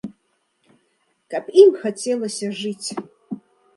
Каб ім хацелася жыць!